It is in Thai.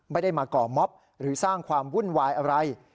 ไม่ได้มาก่อม็อบหรือสร้างความวุ่นวายอะไร